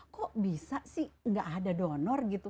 kok bisa sih nggak ada donor gitu